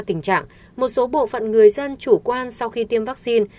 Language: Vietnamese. tình trạng một số bộ phận người dân chủ quan sau khi tiêm vaccine